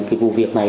cái vụ việc này